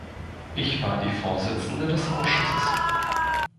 Ich war die Vorsitzende des Ausschusses.